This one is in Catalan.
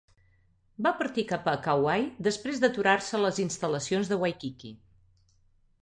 Va partir cap a Kauai després d'aturar-se a les instal·lacions de Waikiki.